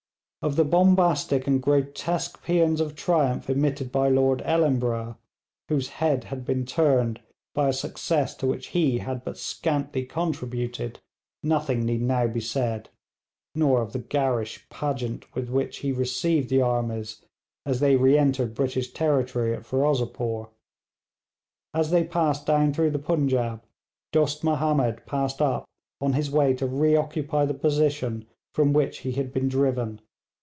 Of the bombastic and grotesque paeans of triumph emitted by Lord Ellenborough, whose head had been turned by a success to which he had but scantly contributed, nothing need now be said, nor of the garish pageant with which he received the armies as they re entered British territory at Ferozepore. As they passed down through the Punjaub, Dost Mahomed passed up on his way to reoccupy the position from which he had been driven.